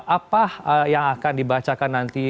apa yang akan dibacakan nanti